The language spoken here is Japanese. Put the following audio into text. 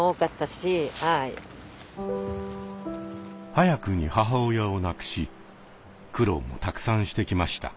早くに母親を亡くし苦労もたくさんしてきました。